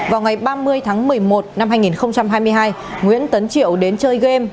vào ngày ba mươi tháng một mươi một năm hai nghìn hai mươi hai nguyễn tấn triệu đến chơi game